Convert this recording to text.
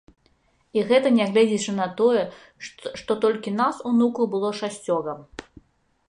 І гэта нягледзячы на тое, што толькі нас, унукаў, было шасцёра.